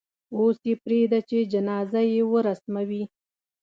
اوس یې پرېږده چې جنازه یې ورسموي.